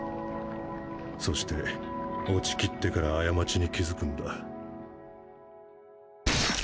そして落ちきってから過ちに気付くんだ